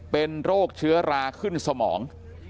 เป็นโรคเชื้อราขึ้นสมอง